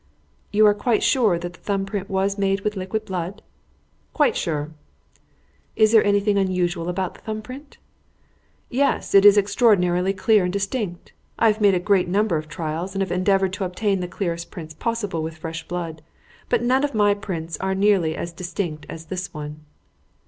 "You are quite sure that the thumb print was made with liquid blood?" "Quite sure." "Is there anything unusual about the thumb print?" "Yes. It is extraordinarily clear and distinct. I have made a great number of trials and have endeavoured to obtain the clearest prints possible with fresh blood; but none of my prints are nearly as distinct as this one."